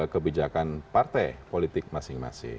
kebijakan partai politik masing masing